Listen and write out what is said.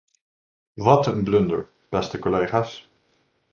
Wat een blunder, beste collega's.